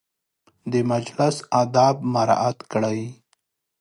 د مجلس اداب مراعت کړئ